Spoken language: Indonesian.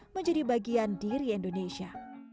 menjadi bagian diri indonesia